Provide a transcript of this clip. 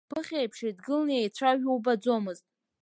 Ԥыхьа еиԥш еидгыланы иеицәажәо убаӡомызт.